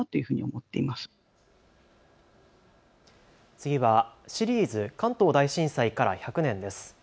次はシリーズ関東大震災から１００年です。